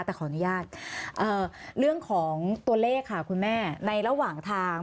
แต่ขออนุญาตเรื่องของตัวเลขค่ะคุณแม่ในระหว่างทาง